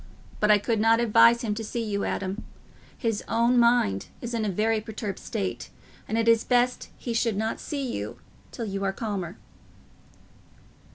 But I could not advise him to see you, Adam. His own mind is in a very perturbed state, and it is best he should not see you till you are calmer."